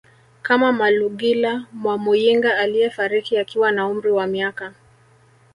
kama Malugila Mwamuyinga aliyefariki akiwa na umri wa miaka